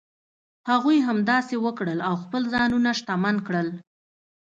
هغوی همداسې وکړل او خپل ځانونه شتمن کړل.